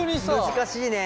難しいね。